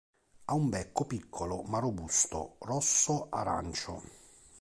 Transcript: Ha un becco piccolo ma robusto rosso-arancio.